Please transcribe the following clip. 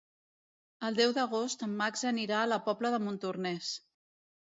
El deu d'agost en Max anirà a la Pobla de Montornès.